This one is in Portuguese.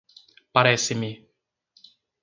Parece-me